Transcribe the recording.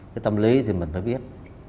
cái tâm lý thì mình phải biết